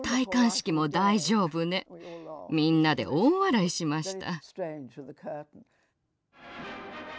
みんなで大笑いしました。